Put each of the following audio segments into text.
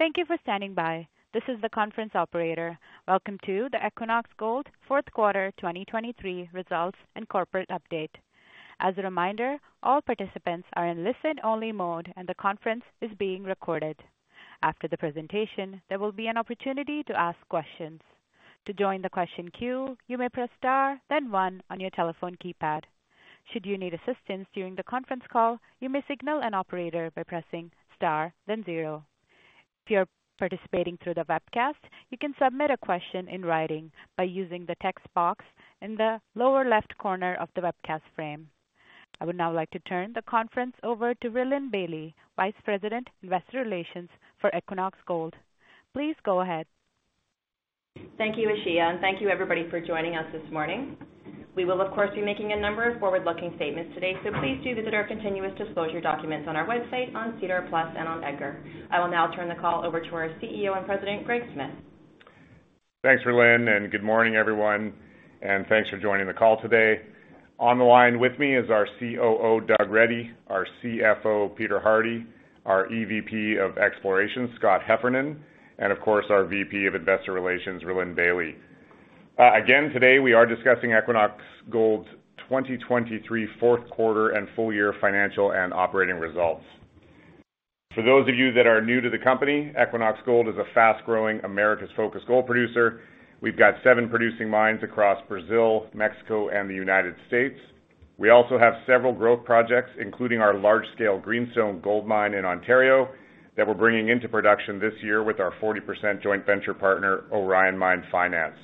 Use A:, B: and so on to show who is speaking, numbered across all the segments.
A: Thank you for standing by. This is the conference operator. Welcome to the Equinox Gold Fourth Quarter 2023 Results and Corporate Update. As a reminder, all participants are in listen-only mode and the conference is being recorded. After the presentation, there will be an opportunity to ask questions. To join the question queue, you may press star, then one, on your telephone keypad. Should you need assistance during the conference call, you may signal an operator by pressing star, then zero. If you're participating through the webcast, you can submit a question in writing by using the text box in the lower left corner of the webcast frame. I would now like to turn the conference over to Rhylin Bailie, Vice President, Investor Relations for Equinox Gold. Please go ahead.
B: Thank you, Ashia, and thank you, everybody, for joining us this morning. We will, of course, be making a number of forward-looking statements today, so please do visit our continuous disclosure documents on our website, on SEDAR+, and on EDGAR. I will now turn the call over to our CEO and President, Greg Smith.
C: Thanks, Rhylin, and good morning, everyone, and thanks for joining the call today. On the line with me is our COO, Doug Reddy; our CFO, Peter Hardie; our EVP of Exploration, Scott Heffernan; and, of course, our VP of Investor Relations, Rhylin Bailie. Again, today we are discussing Equinox Gold's 2023 fourth quarter and full-year financial and operating results. For those of you that are new to the company, Equinox Gold is a fast-growing, Americas-focused gold producer. We've got seven producing mines across Brazil, Mexico, and the United States. We also have several growth projects, including our large-scale Greenstone gold mine in Ontario that we're bringing into production this year with our 40% joint venture partner, Orion Mine Finance.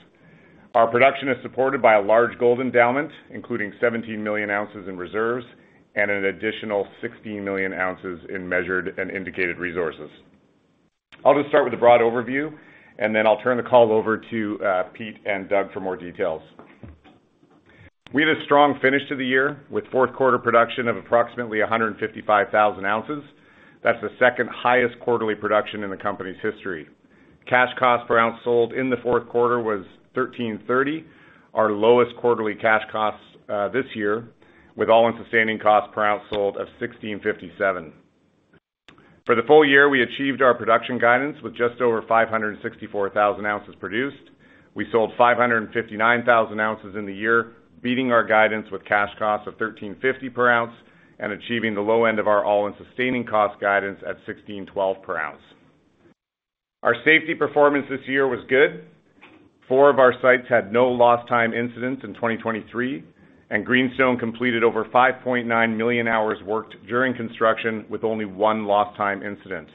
C: Our production is supported by a large gold endowment, including 17 million ounces in reserves and an additional 16 million ounces in measured and indicated resources. I'll just start with a broad overview, and then I'll turn the call over to Pete and Doug for more details. We had a strong finish to the year with fourth-quarter production of approximately 155,000 ounces. That's the second-highest quarterly production in the company's history. Cash cost per ounce sold in the fourth quarter was $1,330, our lowest quarterly cash cost this year, with all-in sustaining cost per ounce sold of $1,657. For the full-year, we achieved our production guidance with just over 564,000 ounces produced. We sold 559,000 ounces in the year, beating our guidance with cash cost of $1,350 per ounce and achieving the low end of our all-in sustaining cost guidance at $1,612 per ounce. Our safety performance this year was good. Four of our sites had no lost-time incidents in 2023, and Greenstone completed over 5.9 million hours worked during construction with only one lost-time incident.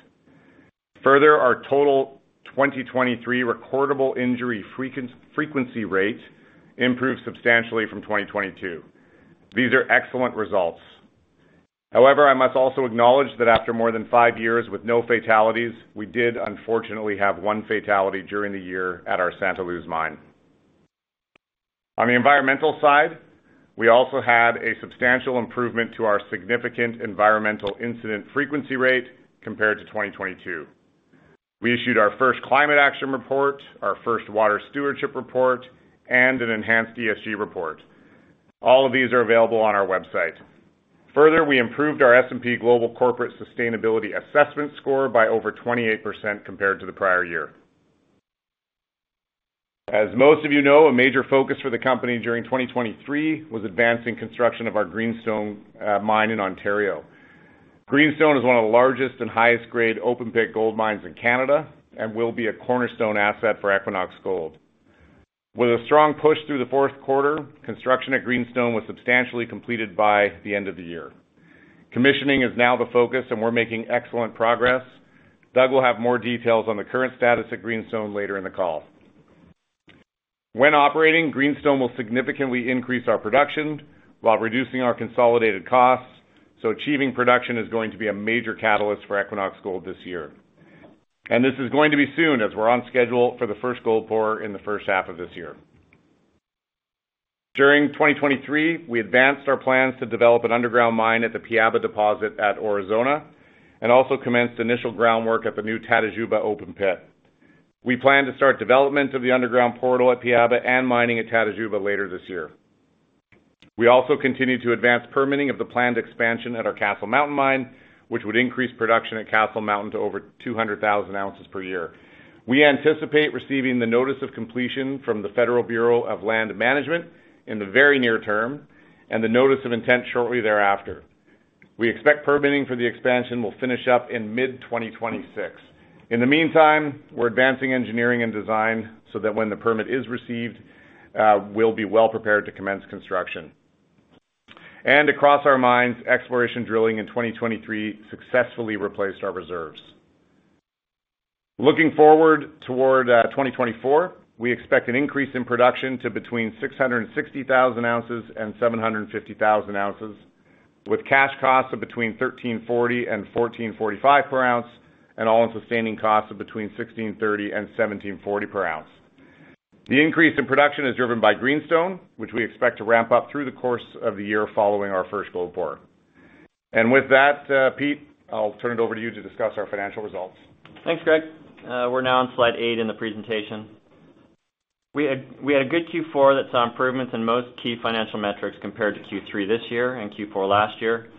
C: Further, our total 2023 recordable injury frequency rate improved substantially from 2022. These are excellent results. However, I must also acknowledge that after more than five years with no fatalities, we did, unfortunately, have one fatality during the year at our Santa Luz mine. On the environmental side, we also had a substantial improvement to our significant environmental incident frequency rate compared to 2022. We issued our first Climate Action Report, our first Water Stewardship Report, and an enhanced ESG report. All of these are available on our website. Further, we improved our S&P Global Corporate Sustainability Assessment score by over 28% compared to the prior year. As most of you know, a major focus for the company during 2023 was advancing construction of our Greenstone mine in Ontario. Greenstone is one of the largest and highest-grade open-pit gold mines in Canada and will be a cornerstone asset for Equinox Gold. With a strong push through the fourth quarter, construction at Greenstone was substantially completed by the end of the year. Commissioning is now the focus, and we're making excellent progress. Doug will have more details on the current status at Greenstone later in the call. When operating, Greenstone will significantly increase our production while reducing our consolidated costs, so achieving production is going to be a major catalyst for Equinox Gold this year. And this is going to be soon as we're on schedule for the first gold pour in the first half of this year. During 2023, we advanced our plans to develop an underground mine at the Piaba deposit at Aurizona and also commenced initial groundwork at the new Tatajuba open pit. We plan to start development of the underground portal at Piaba and mining at Tatajuba later this year. We also continue to advance permitting of the planned expansion at our Castle Mountain mine, which would increase production at Castle Mountain to over 200,000 ounces per year. We anticipate receiving the Notice of Completion from the Federal Bureau of Land Management in the very near term and the Notice of Intent shortly thereafter. We expect permitting for the expansion will finish up in mid-2026. In the meantime, we're advancing engineering and design so that when the permit is received, we'll be well prepared to commence construction. And across our mines, exploration drilling in 2023 successfully replaced our reserves. Looking forward toward 2024, we expect an increase in production to between 660,000 ounces and 750,000 ounces, with cash costs of between $1,340 and $1,445 per ounce and all-in sustaining costs of between $1,630 and $1,740 per ounce. The increase in production is driven by Greenstone, which we expect to ramp up through the course of the year following our first gold pour. And with that, Pete, I'll turn it over to you to discuss our financial results.
D: Thanks, Greg. We're now on slide 8 in the presentation. We had a good Q4 that saw improvements in most key financial metrics compared to Q3 this year and Q4 last year,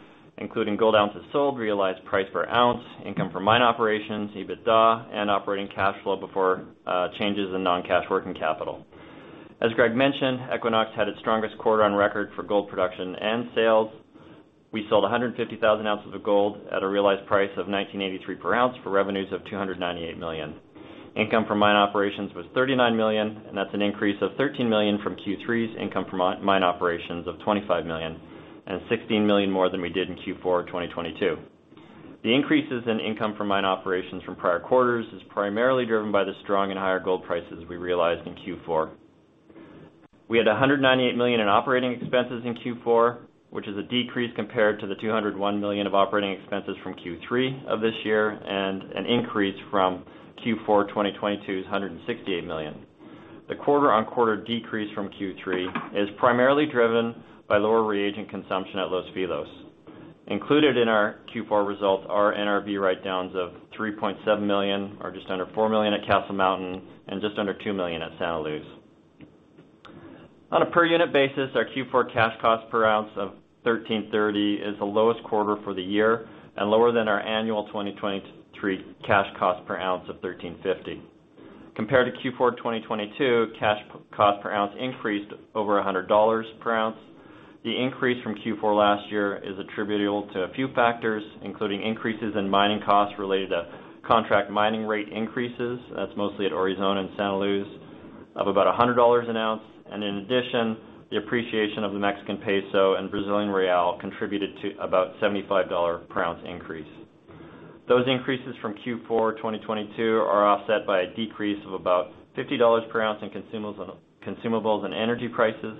D: including gold ounces sold, realized price per ounce, income from mine operations, EBITDA, and operating cash flow before changes in non-cash working capital. As Greg mentioned, Equinox had its strongest quarter on record for gold production and sales. We sold 150,000 ounces of gold at a realized price of $1,983 per ounce for revenues of $298 million. Income from mine operations was $39 million, and that's an increase of $13 million from Q3's income from mine operations of $25 million, and $16 million more than we did in Q4 of 2022. The increases in income from mine operations from prior quarters is primarily driven by the strong and higher gold prices we realized in Q4. We had $198 million in operating expenses in Q4, which is a decrease compared to the $201 million of operating expenses from Q3 of this year and an increase from Q4 2022's $168 million. The quarter-on-quarter decrease from Q3 is primarily driven by lower reagent consumption at Los Filos. Included in our Q4 results are NRV write-downs of $3.7 million, or just under $4 million at Castle Mountain, and just under $2 million at Santa Luz. On a per-unit basis, our Q4 cash cost per ounce of $1,330 is the lowest quarter for the year and lower than our annual 2023 cash cost per ounce of $1,350. Compared to Q4 2022, cash cost per ounce increased over $100 per ounce. The increase from Q4 last year is attributable to a few factors, including increases in mining costs related to contract mining rate increases - that's mostly at Aurizona and Santa Luz - of about $100 an ounce. In addition, the appreciation of the Mexican peso and Brazilian real contributed to about a $75 per ounce increase. Those increases from Q4 2022 are offset by a decrease of about $50 per ounce in consumables and energy prices.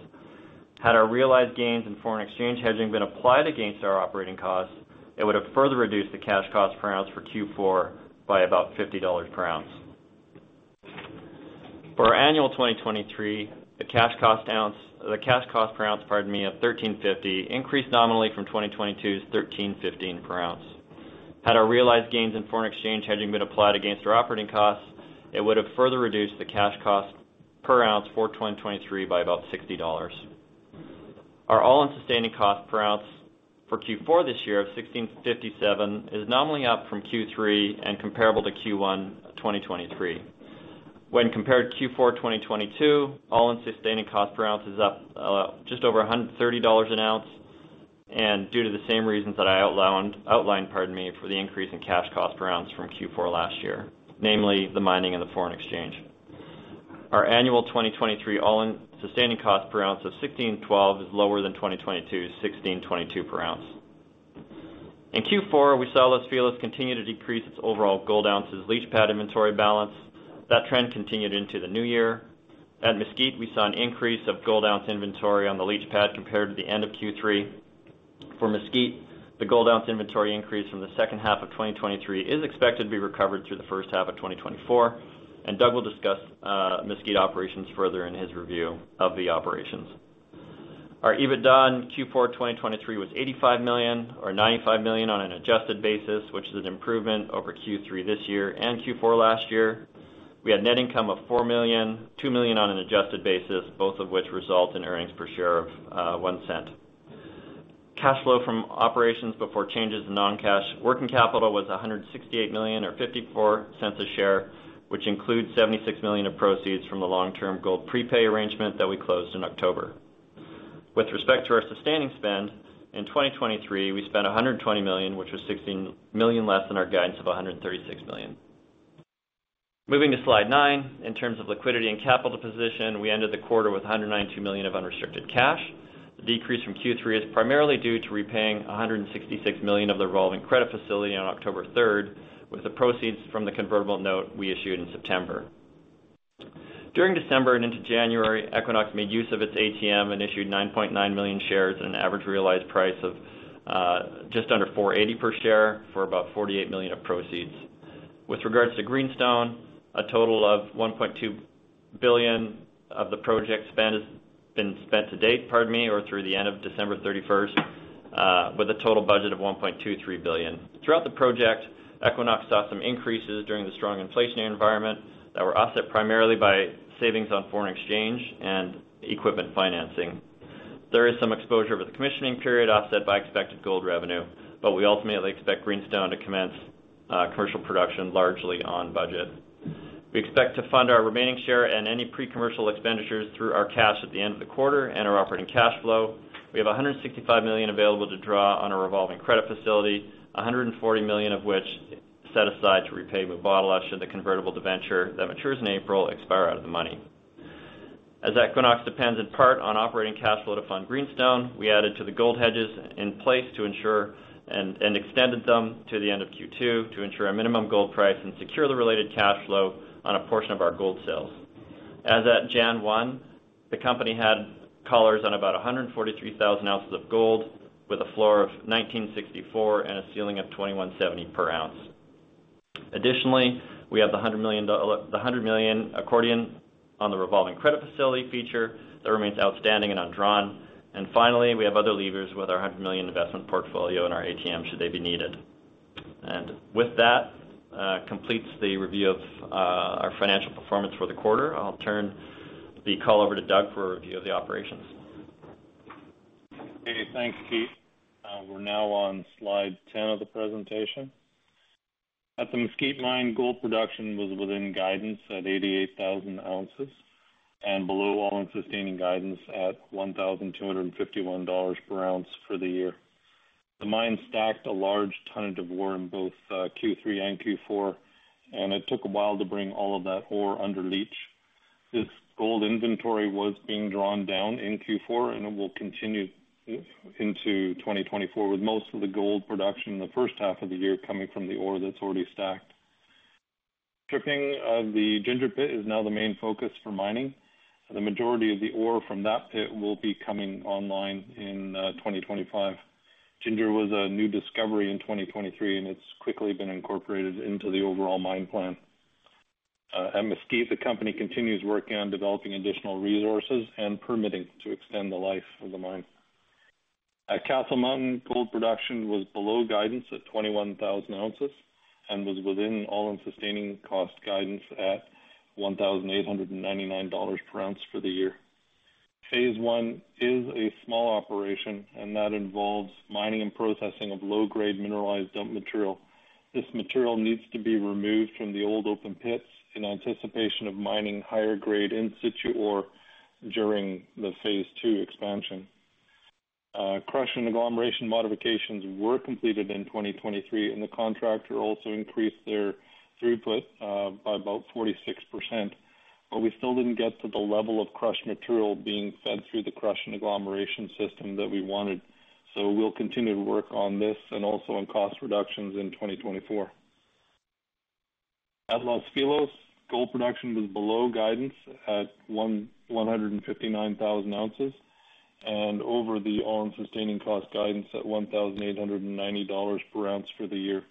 D: Had our realized gains in foreign exchange hedging been applied against our operating costs, it would have further reduced the cash cost per ounce for Q4 by about $50 per ounce. For our annual 2023, the cash cost per ounce - pardon me - of 1,350 increased nominally from 2022's 1,315 per ounce. Had our realized gains in foreign exchange hedging been applied against our operating costs, it would have further reduced the cash cost per ounce for 2023 by about $60. Our all-in sustaining cost per ounce for Q4 this year of 1,657 is nominally up from Q3 and comparable to Q1 2023. When compared to Q4 2022, all-in sustaining cost per ounce is up just over $130 an ounce and due to the same reasons that I outlined, pardon me, for the increase in cash cost per ounce from Q4 last year, namely the mining and the foreign exchange. Our annual 2023 all-in sustaining cost per ounce of 1,612 is lower than 2022's 1,622 per ounce. In Q4, we saw Los Filos continue to decrease its overall gold ounces leach pad inventory balance. That trend continued into the new year. At Mesquite, we saw an increase of gold ounce inventory on the leach pad compared to the end of Q3. For Mesquite, the gold ounce inventory increase from the second half of 2023 is expected to be recovered through the first half of 2024, and Doug will discuss Mesquite operations further in his review of the operations. Our EBITDA on Q4 2023 was $85 million, or $95 million on an adjusted basis, which is an improvement over Q3 this year and Q4 last year. We had net income of $4 million, $2 million on an adjusted basis, both of which result in earnings per share of $0.01. Cash flow from operations before changes in non-cash working capital was $168 million, or $0.54 a share, which includes $76 million of proceeds from the long-term gold prepay arrangement that we closed in October. With respect to our sustaining spend, in 2023, we spent $120 million, which was $16 million less than our guidance of $136 million. Moving to slide 9, in terms of liquidity and capital position, we ended the quarter with $192 million of unrestricted cash. The decrease from Q3 is primarily due to repaying $166 million of the revolving credit facility on October 3rd, with the proceeds from the convertible note we issued in September. During December and into January, Equinox made use of its ATM and issued 9.9 million shares at an average realized price of just under $480 per share for about $48 million of proceeds. With regards to Greenstone, a total of $1.2 billion of the project spend has been spent to date, pardon me, or through the end of December 31st, with a total budget of $1.23 billion. Throughout the project, Equinox saw some increases during the strong inflationary environment that were offset primarily by savings on foreign exchange and equipment financing. There is some exposure over the commissioning period, offset by expected gold revenue, but we ultimately expect Greenstone to commence commercial production largely on budget. We expect to fund our remaining share and any pre-commercial expenditures through our cash at the end of the quarter and our operating cash flow. We have $165 million available to draw on a revolving credit facility, $140 million of which set aside to repay Mubadala should the convertible debenture that matures in April expire out of the money. As Equinox depends in part on operating cash flow to fund Greenstone, we added to the gold hedges in place to ensure, and extended them to the end of Q2, to ensure a minimum gold price and secure the related cash flow on a portion of our gold sales. As at January 1, the company had collars on about 143,000 ounces of gold with a floor of $1,964 and a ceiling of $2,170 per ounce. Additionally, we have the $100 million accordion on the revolving credit facility feature that remains outstanding and undrawn. And finally, we have other levers with our $100 million investment portfolio in our ATM should they be needed. And with that completes the review of our financial performance for the quarter. I'll turn the call over to Doug for a review of the operations.
E: Hey. Thanks, Pete. We're now on slide 10 of the presentation. At the Mesquite mine, gold production was within guidance at 88,000 ounces and below all-in sustaining guidance at $1,251 per ounce for the year. The mine stacked a large tonnage of ore in both Q3 and Q4, and it took a while to bring all of that ore under leach. This gold inventory was being drawn down in Q4, and it will continue into 2024 with most of the gold production in the first half of the year coming from the ore that's already stacked. Stripping of the Ginger pit is now the main focus for mining. The majority of the ore from that pit will be coming online in 2025. Ginger was a new discovery in 2023, and it's quickly been incorporated into the overall mine plan. At Mesquite, the company continues working on developing additional resources and permitting to extend the life of the mine. At Castle Mountain, gold production was below guidance at 21,000 ounces and was within all-in sustaining costs guidance at $1,899 per ounce for the year. Phase I is a small operation, and that involves mining and processing of low-grade mineralized dump material. This material needs to be removed from the old open pits in anticipation of mining higher-grade in-situ ore during the phase II expansion. Crush and agglomeration modifications were completed in 2023, and the contractor also increased their throughput by about 46%, but we still didn't get to the level of crushed material being fed through the crush and agglomeration system that we wanted. So we'll continue to work on this and also on cost reductions in 2024. At Los Filos, gold production was below guidance at 159,000 ounces and over the all-in sustaining cost guidance at $1,890 per ounce for the year.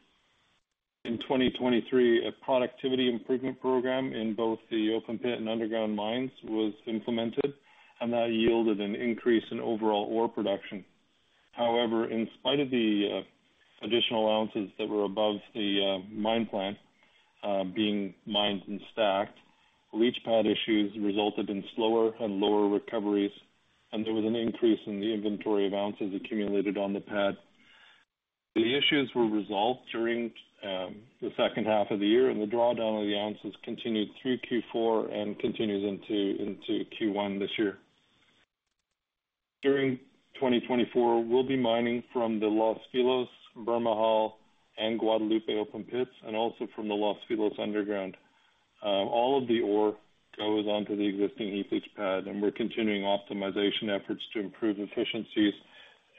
E: In 2023, a productivity improvement program in both the open pit and underground mines was implemented, and that yielded an increase in overall ore production. However, in spite of the additional ounces that were above the mine plan being mined and stacked, leach pad issues resulted in slower and lower recoveries, and there was an increase in the inventory of ounces accumulated on the pad. The issues were resolved during the second half of the year, and the drawdown of the ounces continued through Q4 and continues into Q1 this year. During 2024, we'll be mining from the Los Filos, Bermejal, and Guadalupe open pits, and also from the Los Filos underground. All of the ore goes onto the existing heap leach pad, and we're continuing optimization efforts to improve efficiencies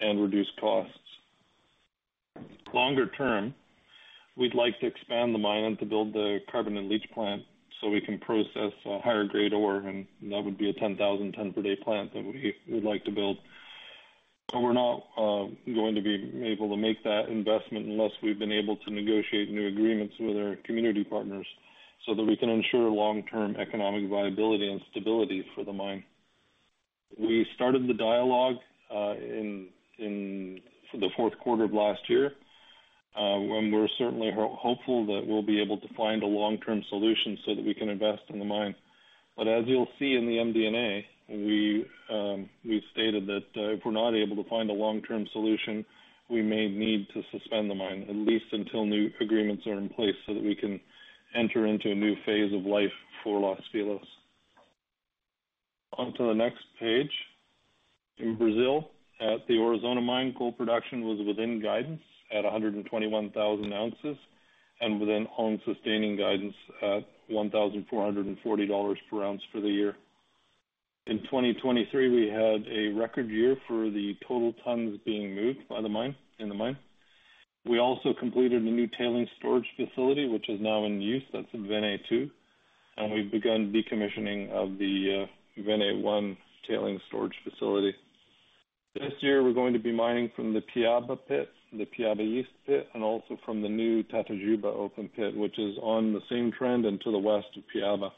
E: and reduce costs. Longer term, we'd like to expand the mine and to build the carbon-in-leach plant so we can process higher-grade ore, and that would be a 10,000-ton per day plant that we would like to build. But we're not going to be able to make that investment unless we've been able to negotiate new agreements with our community partners so that we can ensure long-term economic viability and stability for the mine. We started the dialogue for the fourth quarter of last year, and we're certainly hopeful that we'll be able to find a long-term solution so that we can invest in the mine. But as you'll see in the MD&A, we stated that if we're not able to find a long-term solution, we may need to suspend the mine, at least until new agreements are in place so that we can enter into a new phase of life for Los Filos. Onto the next page. In Brazil, at the Aurizona mine, gold production was within guidance at 121,000 ounces and within AISC guidance at $1,440 per ounce for the year. In 2023, we had a record year for the total tons being moved in the mine. We also completed a new tailings storage facility, which is now in use. That's a Vené 2, and we've begun decommissioning of the Vené 1 tailings storage facility. This year, we're going to be mining from the Piaba pit, the Piaba East pit, and also from the new Tatajuba open pit, which is on the same trend and to the west of Piaba.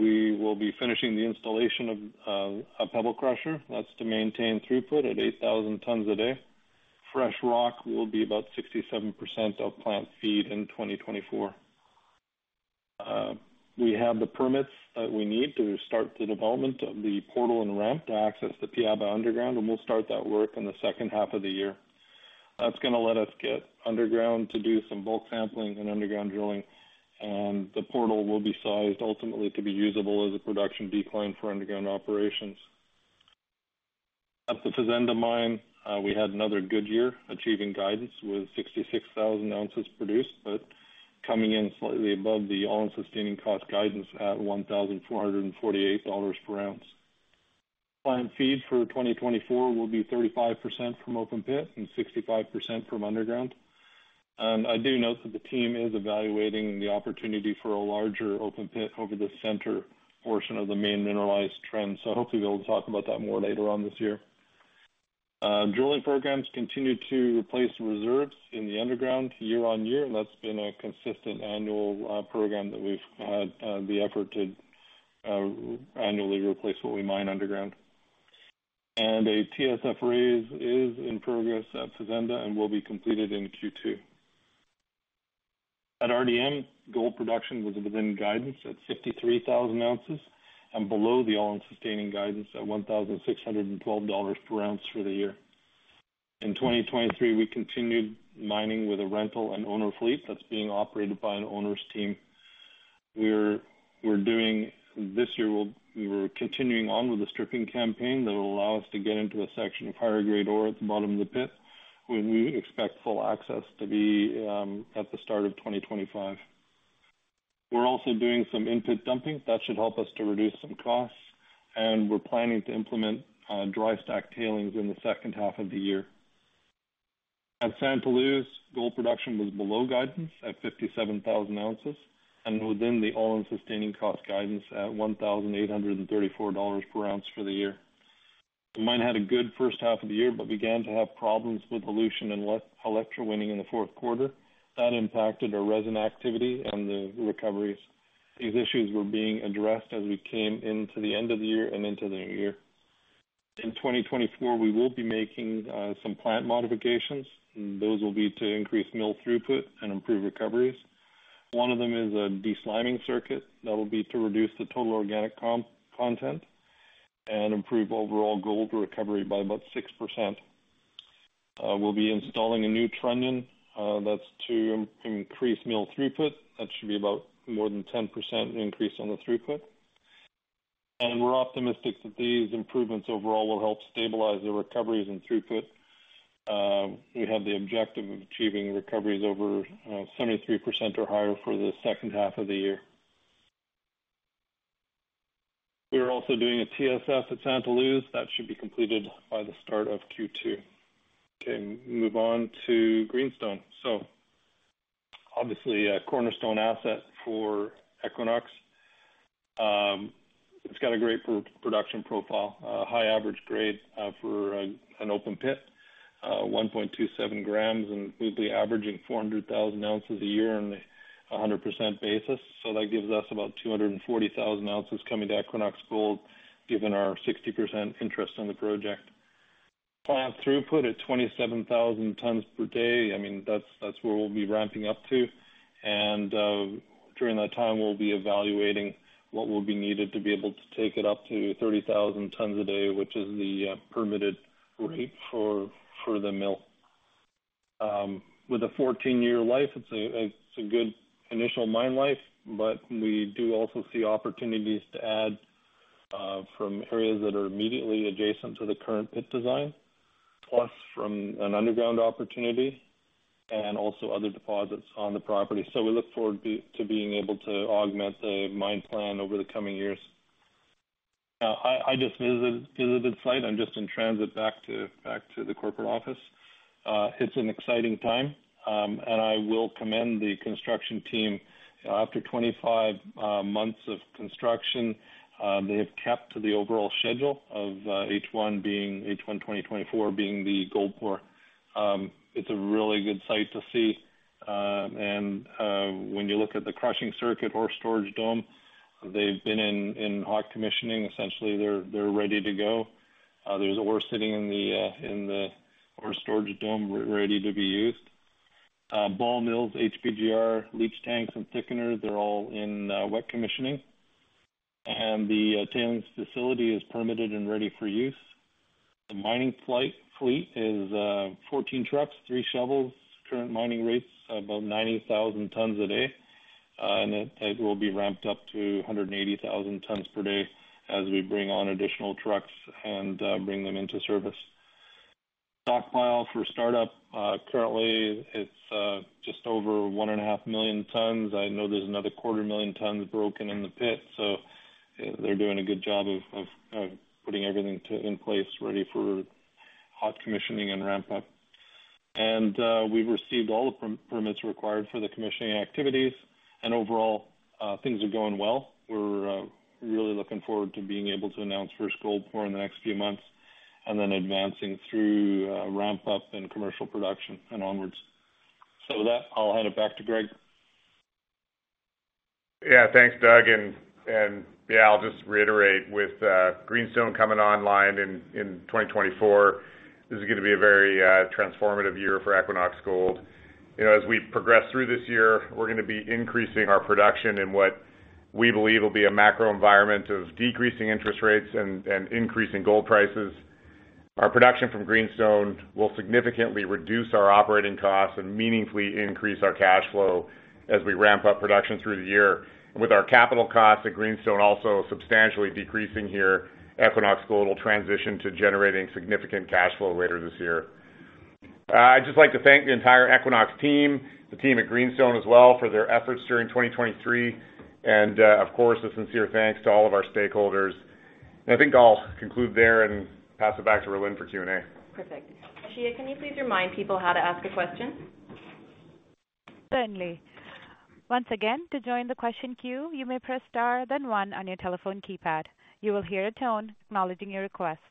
E: We will be finishing the installation of a pebble crusher. That's to maintain throughput at 8,000 tons a day. Fresh rock will be about 67% of plant feed in 2024. We have the permits that we need to start the development of the portal and ramp to access the Piaba underground, and we'll start that work in the second half of the year. That's going to let us get underground to do some bulk sampling and underground drilling, and the portal will be sized ultimately to be usable as a production decline for underground operations. At the Fazenda mine, we had another good year achieving guidance with 66,000 ounces produced but coming in slightly above the all-in sustaining cost guidance at $1,448 per ounce. Plant feed for 2024 will be 35% from open pit and 65% from underground. I do note that the team is evaluating the opportunity for a larger open pit over the center portion of the main mineralized trend, so hopefully we'll talk about that more later on this year. Drilling programs continue to replace reserves in the underground year-on-year, and that's been a consistent annual program that we've had the effort to annually replace what we mine underground. A TSF raise is in progress at Fazenda and will be completed in Q2. At RDM, gold production was within guidance at 53,000 ounces and below the all-in sustaining guidance at $1,612 per ounce for the year. In 2023, we continued mining with a rental and owner fleet that's being operated by an owner's team. This year, we're continuing on with the stripping campaign that will allow us to get into a section of higher-grade ore at the bottom of the pit when we expect full access to be at the start of 2025. We're also doing some in-pit dumping. That should help us to reduce some costs, and we're planning to implement dry stacked tailings in the second half of the year. At Santa Luz, gold production was below guidance at 57,000 ounces and within the all-in sustaining cost guidance at $1,834 per ounce for the year. The mine had a good first half of the year but began to have problems with dilution and electrowinning in the fourth quarter. That impacted our resin activity and the recoveries. These issues were being addressed as we came into the end of the year and into the new year. In 2024, we will be making some plant modifications. Those will be to increase mill throughput and improve recoveries. One of them is a desliming circuit. That'll be to reduce the total organic content and improve overall gold recovery by about 6%. We'll be installing a new trunnion. That's to increase mill throughput. That should be about more than 10% increase on the throughput. We're optimistic that these improvements overall will help stabilize the recoveries and throughput. We have the objective of achieving recoveries over 73% or higher for the second half of the year. We are also doing a TSF at Santa Luz. That should be completed by the start of Q2. Okay. Move on to Greenstone. So obviously, a cornerstone asset for Equinox. It's got a great production profile, high average grade for an open pit, 1.27 grams, and we'll be averaging 400,000 ounces a year on a 100% basis. So that gives us about 240,000 ounces coming to Equinox Gold given our 60% interest in the project. Plant throughput at 27,000 tons per day. I mean, that's where we'll be ramping up to. And during that time, we'll be evaluating what will be needed to be able to take it up to 30,000 tons a day, which is the permitted rate for the mill. With a 14-year life, it's a good initial mine life, but we do also see opportunities to add from areas that are immediately adjacent to the current pit design, plus from an underground opportunity, and also other deposits on the property. So we look forward to being able to augment the mine plan over the coming years. Now, I just visited the site. I'm just in transit back to the corporate office. It's an exciting time, and I will commend the construction team. After 25 months of construction, they have kept to the overall schedule of H1 2024 being the gold pour. It's a really good site to see. When you look at the crushing circuit, ore storage dome, they've been in hot commissioning. Essentially, they're ready to go. There's ore sitting in the ore storage dome ready to be used. Ball mills, HPGR, leach tanks, and thickeners, they're all in wet commissioning. The tailings facility is permitted and ready for use. The mining fleet is 14 trucks, 3 shovels. Current mining rates about 90,000 tons a day, and it will be ramped up to 180,000 tons per day as we bring on additional trucks and bring them into service. Stockpile for startup, currently, it's just over 1.5 million tons. I know there's another 250,000 tons broken in the pit, so they're doing a good job of putting everything in place ready for hot commissioning and ramp-up. And we've received all the permits required for the commissioning activities, and overall, things are going well. We're really looking forward to being able to announce first gold pour in the next few months and then advancing through ramp-up and commercial production and onwards. So with that, I'll hand it back to Greg.
C: Yeah. Thanks, Doug. And yeah, I'll just reiterate, with Greenstone coming online in 2024, this is going to be a very transformative year for Equinox Gold. As we progress through this year, we're going to be increasing our production in what we believe will be a macro environment of decreasing interest rates and increasing gold prices. Our production from Greenstone will significantly reduce our operating costs and meaningfully increase our cash flow as we ramp up production through the year. And with our capital costs at Greenstone also substantially decreasing here, Equinox Gold will transition to generating significant cash flow later this year. I'd just like to thank the entire Equinox team, the team at Greenstone as well, for their efforts during 2023. And of course, a sincere thanks to all of our stakeholders. And I think I'll conclude there and pass it back to Rhylin for Q&A.
B: Perfect. Ashia, can you please remind people how to ask a question?
A: Certainly. Once again, to join the question queue, you may press star, then one, on your telephone keypad. You will hear a tone acknowledging your request.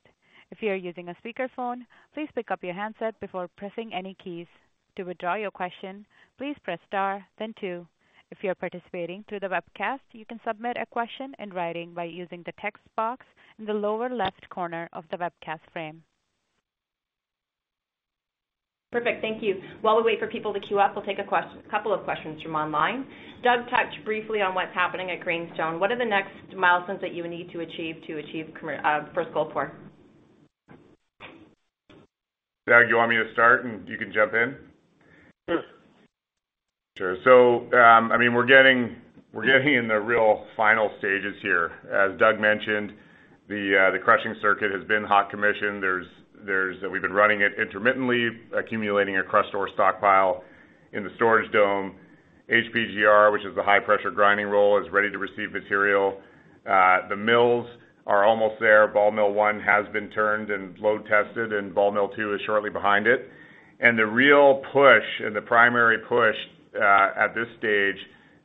A: If you are using a speakerphone, please pick up your handset before pressing any keys. To withdraw your question, please press star, then two. If you are participating through the webcast, you can submit a question in writing by using the text box in the lower left corner of the webcast frame.
B: Perfect. Thank you. While we wait for people to queue up, we'll take a couple of questions from online. Doug touched briefly on what's happening at Greenstone. What are the next milestones that you need to achieve to achieve first gold pour?
C: Doug, you want me to start, and you can jump in?
E: Sure.
C: Sure. So I mean, we're getting in the real final stages here. As Doug mentioned, the crushing circuit has been hot commissioned. We've been running it intermittently, accumulating a crushed ore stockpile in the storage dome. HPGR, which is the high-pressure grinding roll, is ready to receive material. The mills are almost there. Ball mill one has been turned and load tested, and ball mill two is shortly behind it. The real push and the primary push at this stage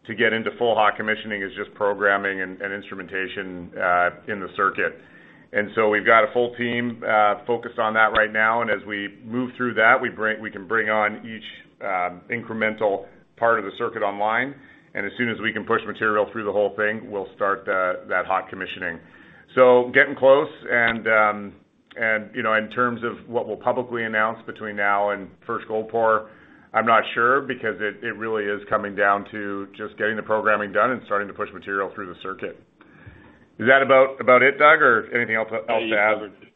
C: to get into full hot commissioning is just programming and instrumentation in the circuit. So we've got a full team focused on that right now. As we move through that, we can bring on each incremental part of the circuit online. As soon as we can push material through the whole thing, we'll start that hot commissioning. So getting close. In terms of what we'll publicly announce between now and first gold pour, I'm not sure because it really is coming down to just getting the programming done and starting to push material through the circuit. Is that about it, Doug, or anything else to add?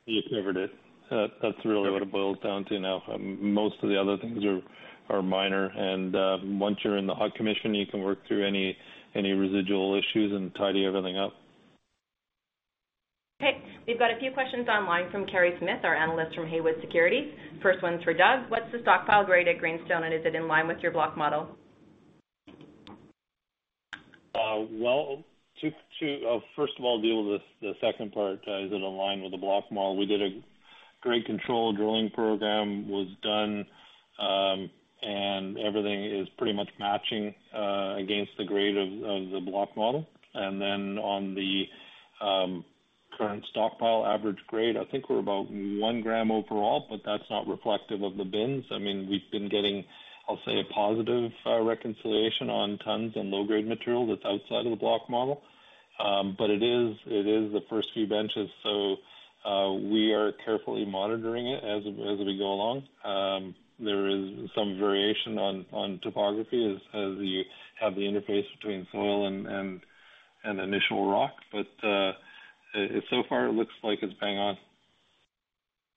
E: He covered it. That's really what it boils down to now. Most of the other things are minor. And once you're in the hot commissioning, you can work through any residual issues and tidy everything up.
B: Okay. We've got a few questions online from Kerry Smith, our analyst from Haywood Securities. First one's for Doug. What's the stockpile grade at Greenstone, and is it in line with your block model?
E: Well, first of all, deal with the second part. Is it in line with the block model? We did a grade control drilling program. It was done, and everything is pretty much matching against the grade of the block model. And then on the current stockpile average grade, I think we're about one gram overall, but that's not reflective of the bins. I mean, we've been getting, I'll say, a positive reconciliation on tons and low-grade material that's outside of the block model. But it is the first few benches, so we are carefully monitoring it as we go along. There is some variation on topography as you have the interface between soil and initial rock. But so far, it looks like it's bang on.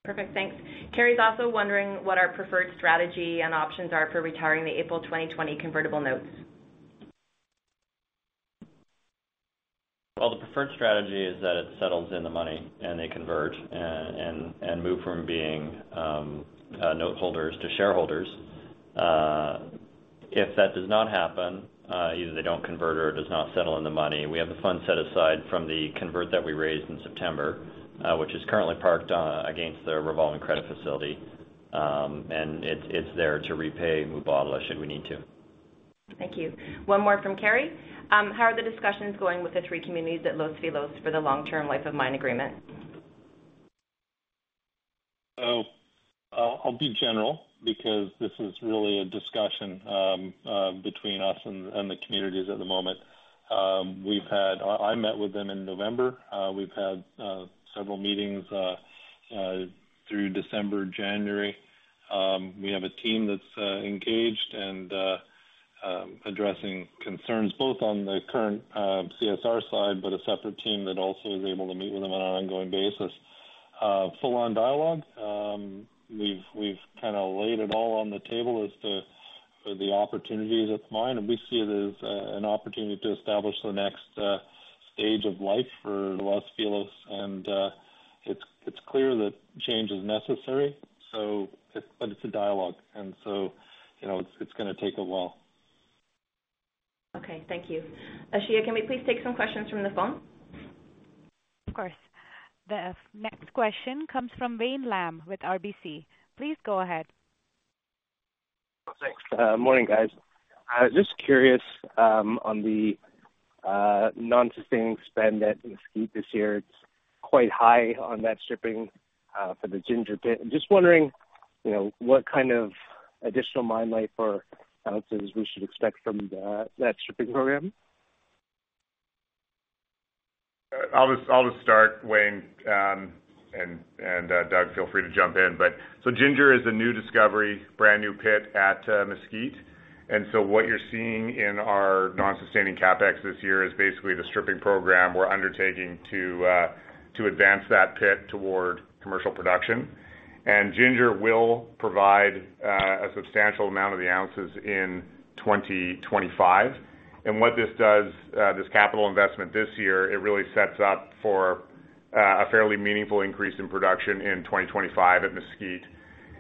B: Perfect. Thanks. Kerry's also wondering what our preferred strategy and options are for retiring the April 2020 convertible notes?
C: Well, the preferred strategy is that it settles in the money and they convert and move from being noteholders to shareholders. If that does not happen, either they don't convert or it does not settle in the money. We have the fund set aside from the convert that we raised in September, which is currently parked against the revolving credit facility. And it's there to repay the debentures if we need to.
B: Thank you. One more from Kerry. How are the discussions going with the three communities at Los Filos for the long-term life of mine agreement?
E: I'll be general because this is really a discussion between us and the communities at the moment. I met with them in November. We've had several meetings through December, January. We have a team that's engaged and addressing concerns both on the current CSR side but a separate team that also is able to meet with them on an ongoing basis. Full-on dialogue. We've kind of laid it all on the table as to the opportunities at the mine. And we see it as an opportunity to establish the next stage of life for Los Filos. And it's clear that change is necessary, but it's a dialogue. And so it's going to take a while.
B: Okay. Thank you. Ashia, can we please take some questions from the phone?
A: Of course. The next question comes from Wayne Lam with RBC. Please go ahead.
F: Thanks. Morning, guys. Just curious on the non-sustaining spend at Mesquite this year. It's quite high on that stripping for the Ginger pit. Just wondering what kind of additional mine life or ounces we should expect from that stripping program?
C: I'll just start, Wayne, and Doug, feel free to jump in. So Ginger is a new discovery, brand new pit at Mesquite. And so what you're seeing in our non-sustaining capex this year is basically the stripping program we're undertaking to advance that pit toward commercial production. And Ginger will provide a substantial amount of the ounces in 2025. And what this does, this capital investment this year, it really sets up for a fairly meaningful increase in production in 2025 at Mesquite.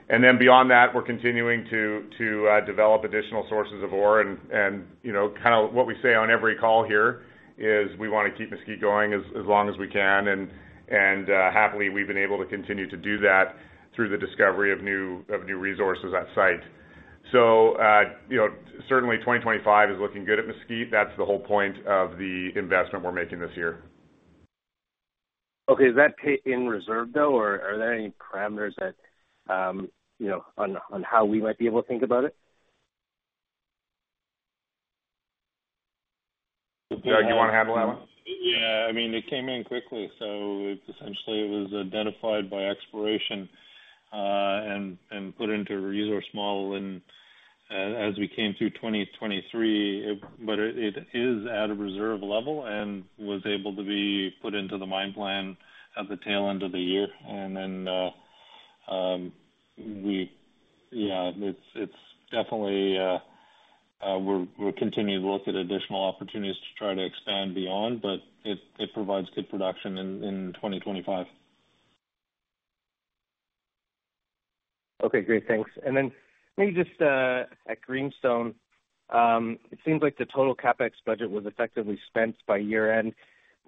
C: And then beyond that, we're continuing to develop additional sources of ore. Kind of what we say on every call here is we want to keep Mesquite going as long as we can. Happily, we've been able to continue to do that through the discovery of new resources at site. So certainly, 2025 is looking good at Mesquite. That's the whole point of the investment we're making this year.
F: Okay. Is that pit in reserve, though, or are there any parameters on how we might be able to think about it?
C: Doug, you want to handle that one?
E: Yeah. I mean, it came in quickly. So essentially, it was identified by exploration and put into a resource model. And as we came through 2023, but it is at a reserve level and was able to be put into the mine plan at the tail end of the year. And then yeah, it's definitely we're continuing to look at additional opportunities to try to expand beyond, but it provides good production in 2025.
F: Okay. Great. Thanks. And then maybe just at Greenstone, it seems like the total CapEx budget was effectively spent by year-end.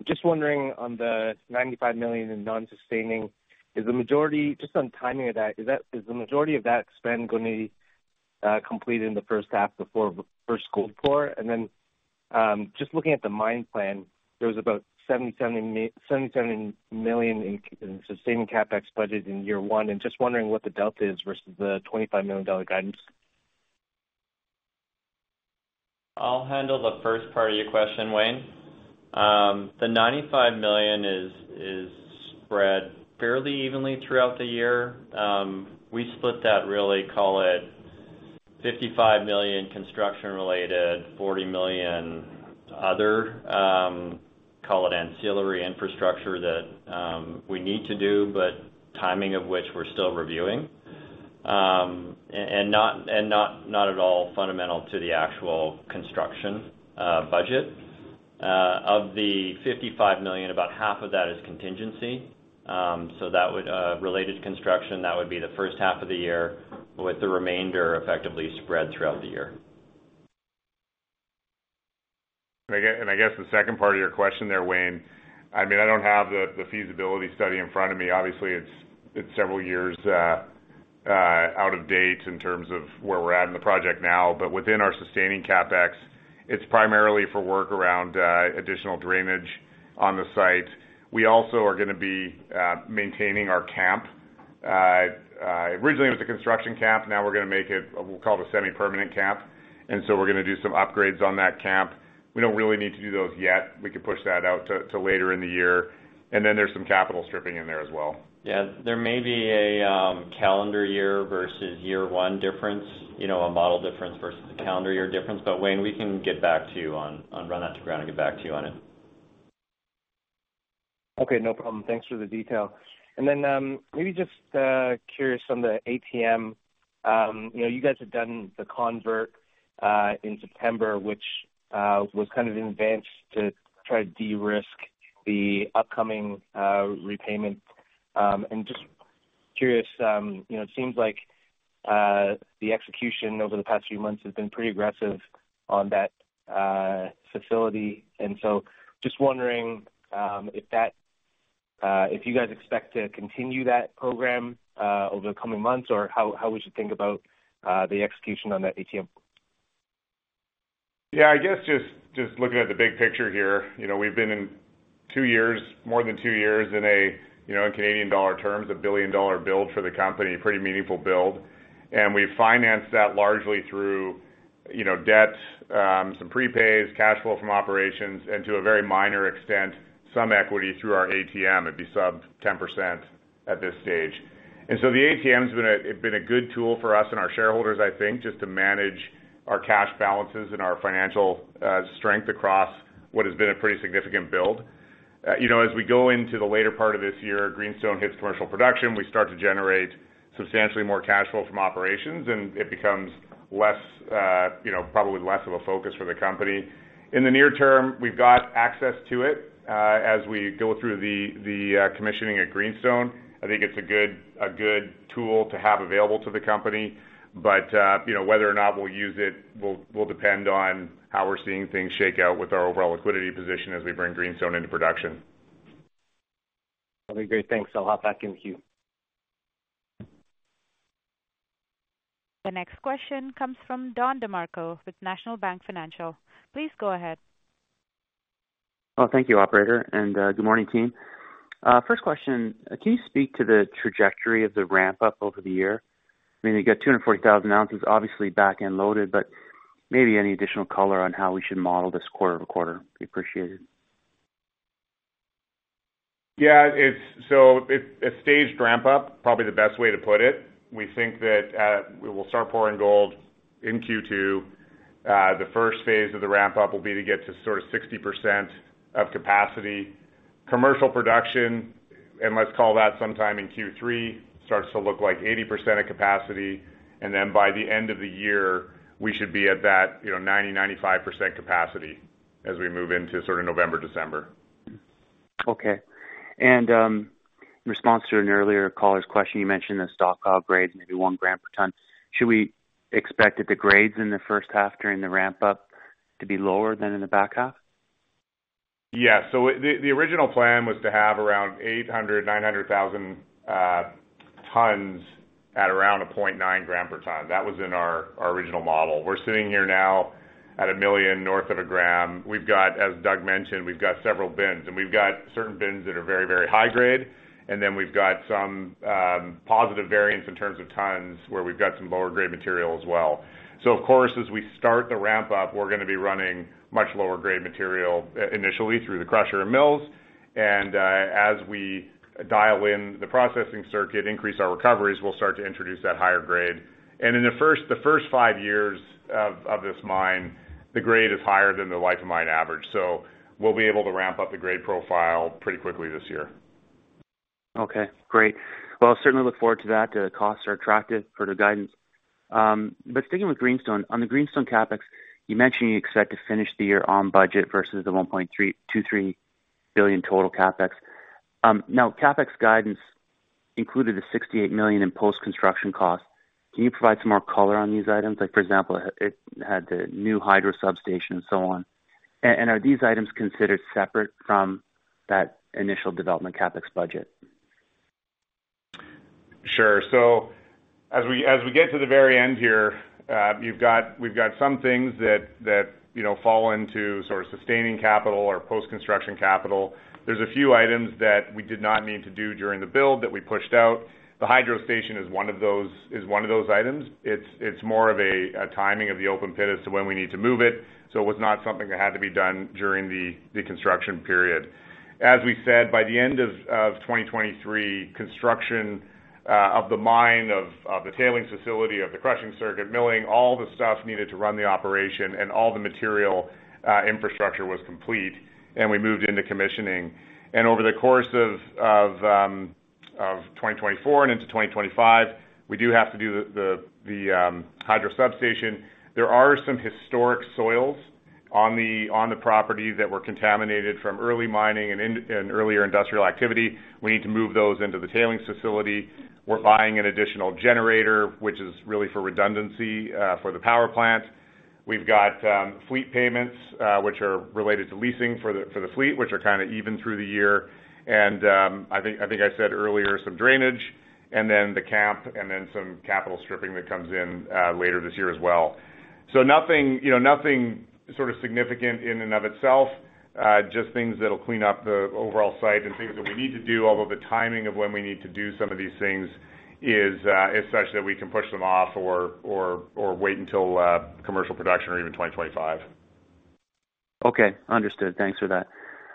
F: Just wondering on the $95 million in non-sustaining, is the majority just on timing of that, is the majority of that spend going to be completed in the first half before first gold pour? And then just looking at the mine plan, there was about $77 million in sustaining CapEx budget in year one. And just wondering what the delta is versus the $25 million guidance?
D: I'll handle the first part of your question, Wayne. The $95 million is spread fairly evenly throughout the year. We split that really, call it $55 million construction-related, $40 million other, call it ancillary infrastructure that we need to do, but timing of which we're still reviewing, and not at all fundamental to the actual construction budget. Of the $55 million, about half of that is contingency. So related to construction, that would be the first half of the year, with the remainder effectively spread throughout the year.
C: And I guess the second part of your question there, Wayne, I mean, I don't have the feasibility study in front of me. Obviously, it's several years out of date in terms of where we're at in the project now. But within our sustaining CapEx, it's primarily for work around additional drainage on the site. We also are going to be maintaining our camp. Originally, it was a construction camp. Now we're going to make it, we'll call it a semi-permanent camp. And so we're going to do some upgrades on that camp. We don't really need to do those yet. We could push that out to later in the year. And then there's some capital stripping in there as well.
E: Yeah. There may be a calendar year versus year one difference, a model difference versus a calendar year difference. But Wayne, we can get back to you on, run that to ground and get back to you on it.
F: Okay. No problem. Thanks for the detail. And then maybe just curious on the ATM. You guys had done the convert in September, which was kind of in advance to try to de-risk the upcoming repayment. And just curious, it seems like the execution over the past few months has been pretty aggressive on that facility. Just wondering if you guys expect to continue that program over the coming months or how we should think about the execution on that ATM?
C: Yeah. I guess just looking at the big picture here, we've been in more than two years, in Canadian dollar terms, a billion-dollar build for the company, a pretty meaningful build. And we've financed that largely through debt, some prepays, cash flow from operations, and to a very minor extent, some equity through our ATM. It'd be sub-10% at this stage. And so the ATM's been a good tool for us and our shareholders, I think, just to manage our cash balances and our financial strength across what has been a pretty significant build. As we go into the later part of this year, Greenstone hits commercial production. We start to generate substantially more cash flow from operations, and it becomes probably less of a focus for the company. In the near term, we've got access to it as we go through the commissioning at Greenstone. I think it's a good tool to have available to the company. But whether or not we'll use it will depend on how we're seeing things shake out with our overall liquidity position as we bring Greenstone into production.
F: Okay. Great. Thanks. I'll hop back into the queue.
A: The next question comes from Don DeMarco with National Bank Financial. Please go ahead.
G: Oh, thank you, operator. And good morning, team. First question, can you speak to the trajectory of the ramp-up over the year? I mean, we've got 240,000 ounces, obviously back-end loaded, but maybe any additional color on how we should model this quarter-over-quarter. We appreciate it.
C: Yeah. So a staged ramp-up, probably the best way to put it. We think that we will start pouring gold in Q2. The first phase of the ramp-up will be to get to sort of 60% of capacity. Commercial production, and let's call that sometime in Q3, starts to look like 80% of capacity. And then by the end of the year, we should be at that 90%-95% capacity as we move into sort of November, December.
G: Okay. And in response to an earlier color's question, you mentioned the stockpile grades, maybe 1 gram per ton. Should we expect that the grades in the first half during the ramp-up to be lower than in the back half?
C: Yeah. So the original plan was to have around 800,000-900,000 tons at around a 0.9 gram per ton. That was in our original model. We're sitting here now at 1 million north of 1 gram. As Doug mentioned, we've got several bins. We've got certain bins that are very, very high-grade. Then we've got some positive variance in terms of tons where we've got some lower-grade material as well. So of course, as we start the ramp-up, we're going to be running much lower-grade material initially through the crusher and mills. As we dial in the processing circuit, increase our recoveries, we'll start to introduce that higher grade. In the first 5 years of this mine, the grade is higher than the life of mine average. So we'll be able to ramp up the grade profile pretty quickly this year.
G: Okay. Great. Well, I certainly look forward to that. The costs are attractive for the guidance. But sticking with Greenstone, on the Greenstone CapEx, you mentioned you expect to finish the year on budget versus the $1.23 billion total CapEx. Now, CapEx guidance included the $68 million in post-construction costs. Can you provide some more color on these items? For example, it had the new hydro substation and so on. And are these items considered separate from that initial development CapEx budget?
C: Sure. So as we get to the very end here, we've got some things that fall into sort of sustaining capital or post-construction capital. There's a few items that we did not need to do during the build that we pushed out. The hydro station is one of those items. It's more of a timing of the open pit as to when we need to move it. So it was not something that had to be done during the construction period. As we said, by the end of 2023, construction of the mine, of the tailings facility, of the crushing circuit, milling, all the stuff needed to run the operation, and all the material infrastructure was complete, and we moved into commissioning. Over the course of 2024 and into 2025, we do have to do the hydro substation. There are some historic soils on the property that were contaminated from early mining and earlier industrial activity. We need to move those into the tailings facility. We're buying an additional generator, which is really for redundancy for the power plant. We've got fleet payments, which are related to leasing for the fleet, which are kind of even through the year. I think I said earlier some drainage and then the camp and then some capital stripping that comes in later this year as well. So nothing sort of significant in and of itself, just things that'll clean up the overall site and things that we need to do, although the timing of when we need to do some of these things is such that we can push them off or wait until commercial production or even 2025.
E: Okay. Understood. Thanks for that.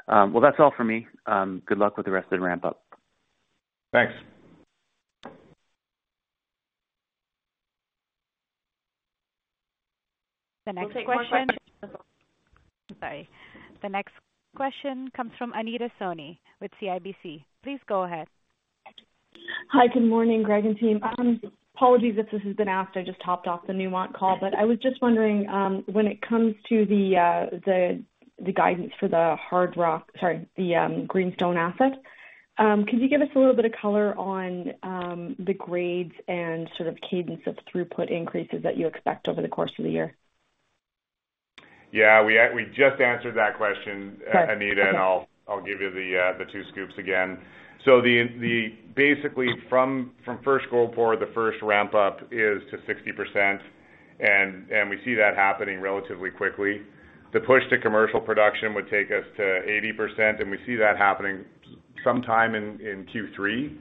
E: Well, that's all for me. Good luck with the rest of the ramp-up.
C: Thanks.
A: The next question. I'm sorry. The next question comes from Anita Soni with CIBC. Please go ahead.
H: Hi. Good morning, Greg and team. Apologies if this has been asked. I just hopped off the Newmont call. But I was just wondering, when it comes to the guidance for the Hardrock sorry, the Greenstone asset, could you give us a little bit of color on the grades and sort of cadence of throughput increases that you expect over the course of the year?
C: Yeah. We just answered that question, Anita, and I'll give you the two scoops again. So basically, from first gold pour, the first ramp-up is to 60%. And we see that happening relatively quickly. The push to commercial production would take us to 80%, and we see that happening sometime in Q3.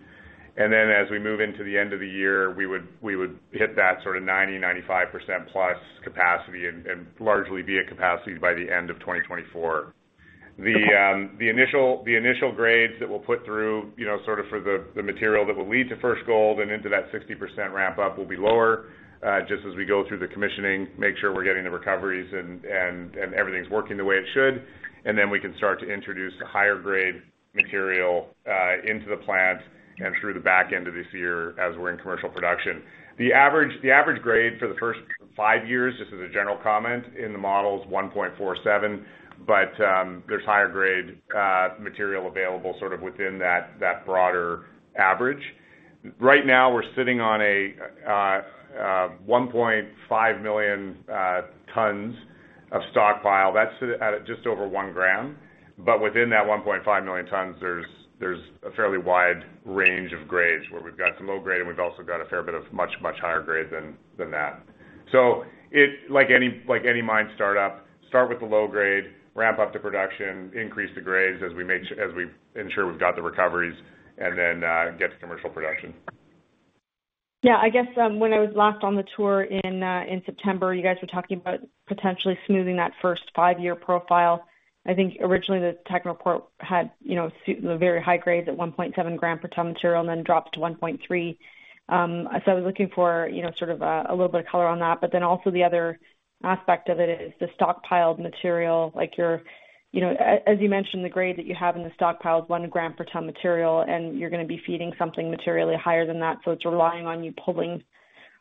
C: And then as we move into the end of the year, we would hit that sort of 90%-95%+ capacity and largely be at capacity by the end of 2024. The initial grades that we'll put through sort of for the material that will lead to first gold and into that 60% ramp-up will be lower just as we go through the commissioning, make sure we're getting the recoveries, and everything's working the way it should. Then we can start to introduce higher-grade material into the plant and through the back end of this year as we're in commercial production. The average grade for the first 5 years, just as a general comment in the model, is 1.47. There's higher-grade material available sort of within that broader average. Right now, we're sitting on a 1.5 million tons of stockpile. That's at just over one gram. Within that 1.5 million tons, there's a fairly wide range of grades where we've got some low-grade, and we've also got a fair bit of much, much higher grade than that. So like any mine startup, start with the low grade, ramp up to production, increase the grades as we ensure we've got the recoveries, and then get to commercial production.
H: Yeah. I guess when I was last on the tour in September, you guys were talking about potentially smoothing that first five-year profile. I think originally, the technical report had the very high grades at 1.7 gram per ton material and then dropped to 1.3. So I was looking for sort of a little bit of color on that. But then also the other aspect of it is the stockpiled material. As you mentioned, the grade that you have in the stockpile is 1 gram per ton material, and you're going to be feeding something materially higher than that. So it's relying on you pulling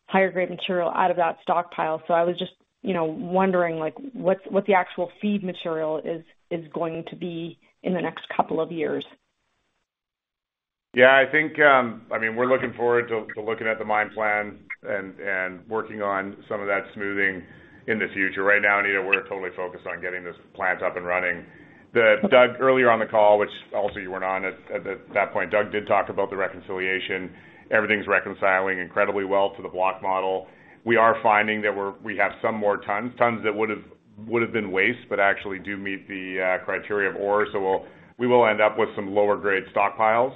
H: higher-grade material out of that stockpile. So I was just wondering what the actual feed material is going to be in the next couple of years?
C: Yeah. I mean, we're looking forward to looking at the mine plan and working on some of that smoothing in the future. Right now, Anita, we're totally focused on getting this plant up and running. Doug, earlier on the call, which also you weren't on at that point, Doug did talk about the reconciliation. Everything's reconciling incredibly well to the block model. We are finding that we have some more tons, tons that would have been waste but actually do meet the criteria of ore. So we will end up with some lower-grade stockpiles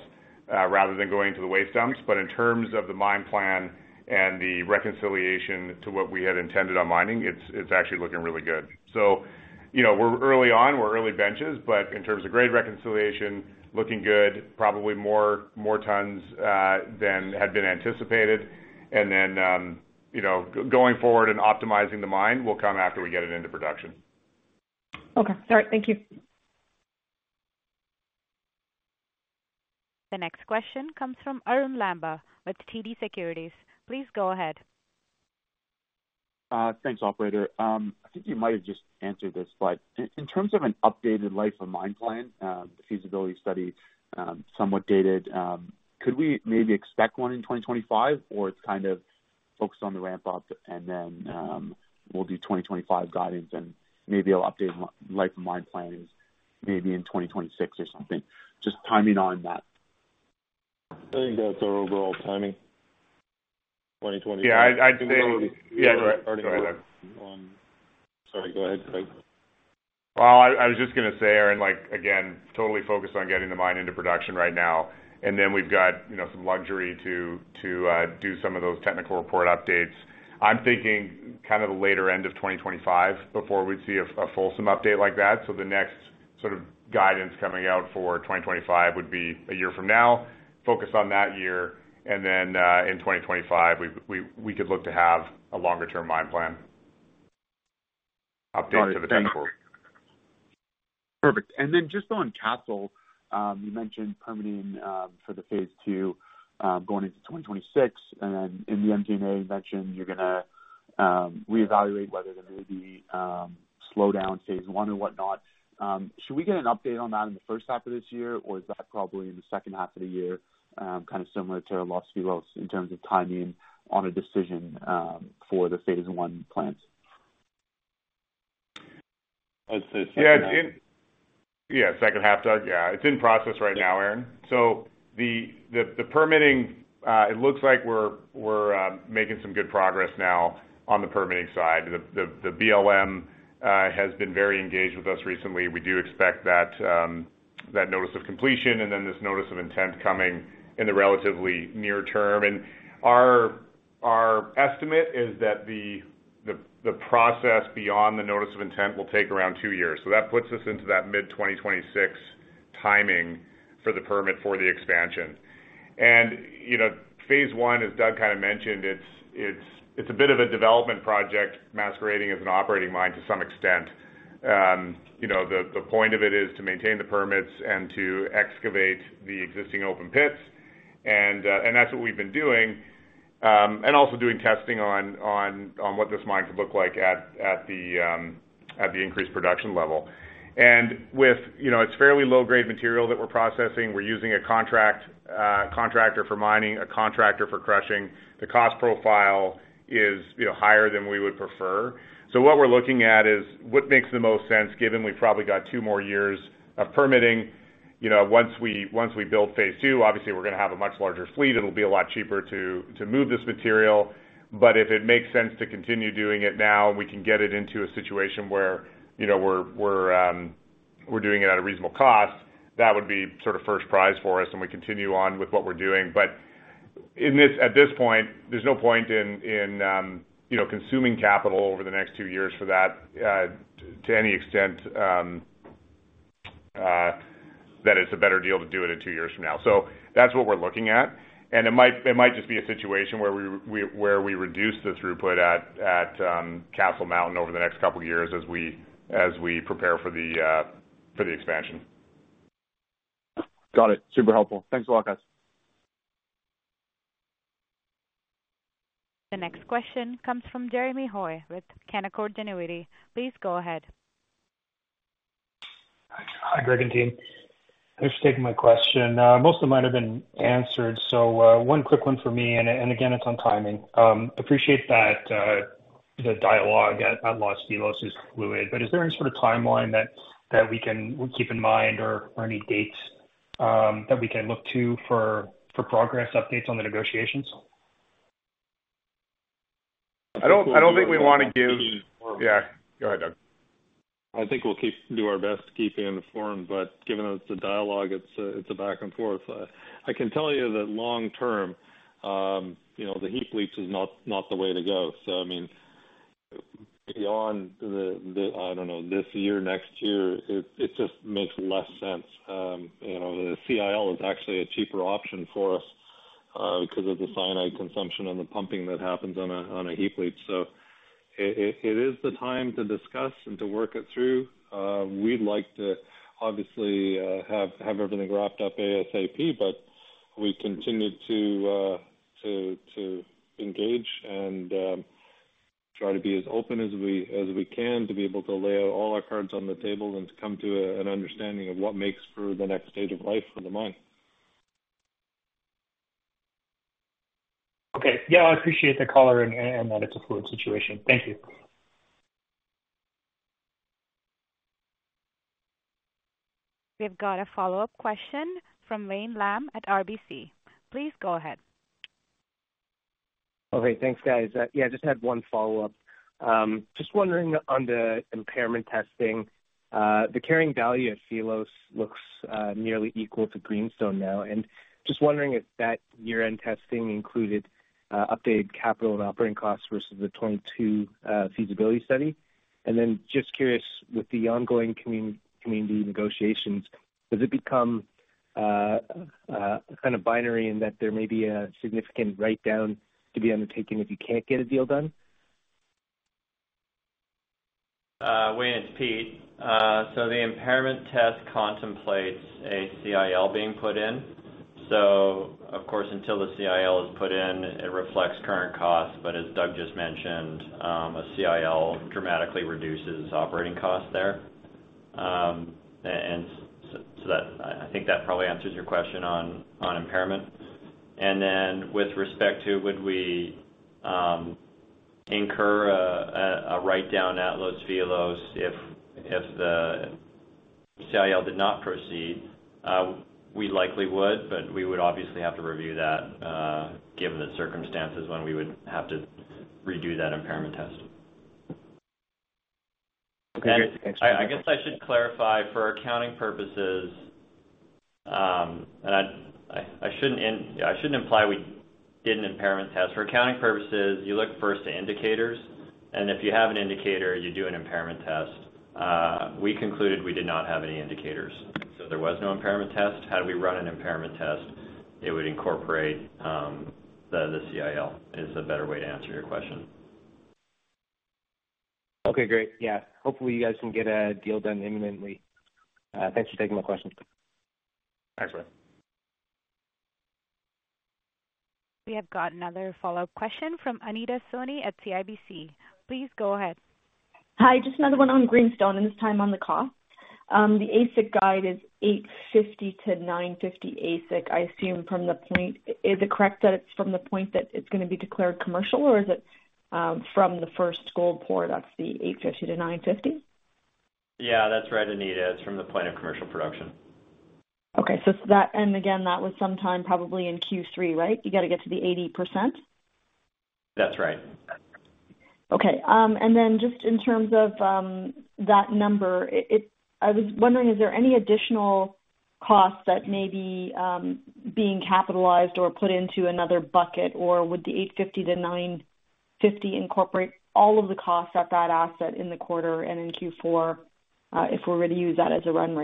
C: rather than going to the waste dumps. But in terms of the mine plan and the reconciliation to what we had intended on mining, it's actually looking really good. So we're early on. We're early benches. But in terms of grade reconciliation, looking good, probably more tons than had been anticipated. And then going forward and optimizing the mine will come after we get it into production.
H: Okay. All right. Thank you.
A: The next question comes from Arun Lamba with TD Securities. Please go ahead.
I: Thanks, operator. I think you might have just answered this. But in terms of an updated life of mine plan, the feasibility study, somewhat dated, could we maybe expect one in 2025, or it's kind of focused on the ramp-up, and then we'll do 2025 guidance, and maybe they'll update life of mine planning maybe in 2026 or something, just timing on that?
E: I think that's our overall timing, 2025. Yeah. I'd say yeah. You're already going on. Sorry. Go ahead, Greg.
C: Well, I was just going to say, Arun, again, totally focused on getting the mine into production right now. We've got some luxury to do some of those technical report updates. I'm thinking kind of the later end of 2025 before we'd see a fulsome update like that. The next sort of guidance coming out for 2025 would be a year from now, focus on that year. In 2025, we could look to have a longer-term mine plan updated to the next quarter.
I: All right. Perfect. Just on Castle, you mentioned permitting for the phase II going into 2026. In the MD&A, you mentioned you're going to reevaluate whether to maybe slow down phase I or whatnot. Should we get an update on that in the first half of this year, or is that probably in the second half of the year, kind of similar to Los Filos in terms of timing on a decision for the phase I plan?
C: I'd say second half. Yeah. Yeah. Second half, Doug. Yeah. It's in process right now, Aaron. So the permitting, it looks like we're making some good progress now on the permitting side. The BLM has been very engaged with us recently. We do expect that Notice of Completion and then this Notice of Intent coming in the relatively near term. And our estimate is that the process beyond the Notice of Intent will take around two years. So that puts us into that mid-2026 timing for the permit for the expansion. Phase I, as Doug kind of mentioned, it's a bit of a development project, masquerading as an operating mine to some extent. The point of it is to maintain the permits and to excavate the existing open pits. That's what we've been doing, and also doing testing on what this mine could look like at the increased production level. It's fairly low-grade material that we're processing. We're using a contractor for mining, a contractor for crushing. The cost profile is higher than we would prefer. So what we're looking at is what makes the most sense, given we've probably got two more years of permitting. Once we build phase II, obviously, we're going to have a much larger fleet. It'll be a lot cheaper to move this material. But if it makes sense to continue doing it now and we can get it into a situation where we're doing it at a reasonable cost, that would be sort of first prize for us, and we continue on with what we're doing. But at this point, there's no point in consuming capital over the next two years for that to any extent that it's a better deal to do it in two years from now. So that's what we're looking at. And it might just be a situation where we reduce the throughput at Castle Mountain over the next couple of years as we prepare for the expansion.
I: Got it. Super helpful. Thanks a lot, guys.
A: The next question comes from Jeremy Hoy with Canaccord Genuity. Please go ahead.
J: Hi, Greg and team. Thanks for taking my question. Most of mine have been answered. So one quick one for me, and again, it's on timing. I appreciate that the dialogue at Los Filos is fluid. But is there any sort of timeline that we can keep in mind or any dates that we can look to for progress updates on the negotiations?
C: I don't think we want to give—yeah, go ahead, Doug.
E: I think we'll do our best to keep you informed. But given it's a dialogue, it's a back and forth. I can tell you that long term, the heap leach is not the way to go. So I mean, beyond the I don't know, this year, next year, it just makes less sense. The CIL is actually a cheaper option for us because of the cyanide consumption and the pumping that happens on a heap leach. So it is the time to discuss and to work it through. We'd like to, obviously, have everything wrapped up ASAP, but we continue to engage and try to be as open as we can to be able to lay out all our cards on the table and to come to an understanding of what makes for the next stage of life for the mine.
J: Okay. Yeah. I appreciate the color and that it's a fluid situation. Thank you.
A: We have got a follow-up question from Wayne Lam at RBC. Please go ahead.
F: Okay. Thanks, guys. Yeah. I just had one follow-up. Just wondering, on the impairment testing, the carrying value at Los Filos looks nearly equal to Greenstone now. And just wondering if that year-end testing included updated capital and operating costs versus the 2022 feasibility study. And then just curious, with the ongoing community negotiations, does it become a kind of binary in that there may be a significant write-down to be undertaken if you can't get a deal done?
D: Wayne, it's Pete. The impairment test contemplates a CIL being put in. Of course, until the CIL is put in, it reflects current costs. But as Doug just mentioned, a CIL dramatically reduces operating costs there. And so I think that probably answers your question on impairment. And then with respect to would we incur a write-down at Los Filos if the CIL did not proceed, we likely would, but we would obviously have to review that given the circumstances when we would have to redo that impairment test. Okay. Thanks. I guess I should clarify, for accounting purposes and I shouldn't imply we did an impairment test. For accounting purposes, you look first to indicators. And if you have an indicator, you do an impairment test. We concluded we did not have any indicators, so there was no impairment test. How do we run an impairment test? It would incorporate the CIL is a better way to answer your question.
F: Okay. Great. Yeah. Hopefully, you guys can get a deal done imminently. Thanks for taking my question.
D: Thanks, Wayne.
A: We have got another follow-up question from Anita Soni at CIBC. Please go ahead.
H: Hi. Just another one on Greenstone and this time on the cost. The AISC guidance is $850-$950 AISC, I assume, from the point—is it correct that it's from the point that it's going to be declared commercial, or is it from the first gold pour? That's the $850-$950?
E: Yeah. That's right, Anita. It's from the point of commercial production.
H: Okay. Again, that was sometime probably in Q3, right? You got to get to the 80%?
E: That's right.
H: Okay. And then just in terms of that number, I was wondering, is there any additional costs that may be being capitalized or put into another bucket, or would the $850-$950 incorporate all of the costs at that asset in the quarter and in Q4 if we were to use that as a run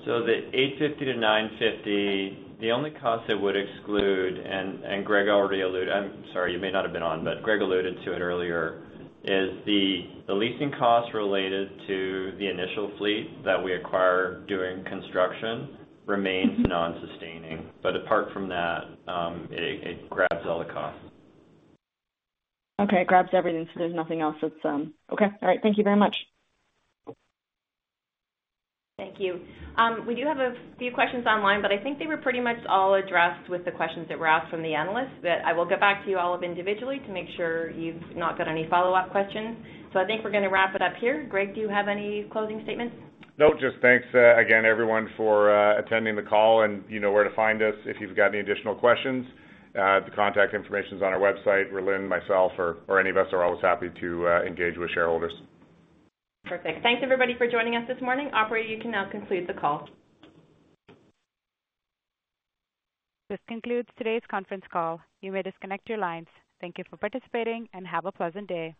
H: rate?
E: So the $850-$950, the only cost it would exclude and Greg already alluded. I'm sorry. You may not have been on, but Greg alluded to it earlier. The leasing costs related to the initial fleet that we acquire doing construction remains nonsustaining. But apart from that, it grabs all the costs.
H: Okay. It grabs everything, so there's nothing else that's—okay. All right. Thank you very much.
B: Thank you. We do have a few questions online, but I think they were pretty much all addressed with the questions that were asked from the analysts. I will get back to you all individually to make sure you've not got any follow-up questions. I think we're going to wrap it up here. Greg, do you have any closing statements?
C: No. Just thanks again, everyone, for attending the call and where to find us if you've got any additional questions. The contact information's on our website. We're Rhylin, myself, or any of us are always happy to engage with shareholders.
B: Perfect. Thanks, everybody, for joining us this morning. Operator, you can now conclude the call.
A: This concludes today's conference call. You may disconnect your lines. Thank you for participating, and have a pleasant day.